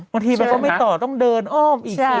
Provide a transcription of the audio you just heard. บางทีมันต้องไปต่อต้องเดินอ้อม